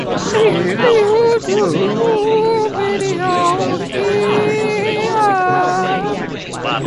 See Youtube Video Here.